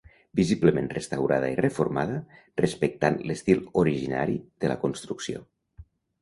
Visiblement restaurada i reformada, respectant l'estil originari de la construcció.